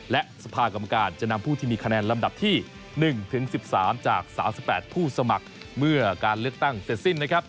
และสภากรรมการจะนำผู้ที่มีคะแนนลำดับที่๑๑๓จาก๓๘ผู้สมัครเมื่อการเลือกตั้งเสร็จสิ้นนะครับ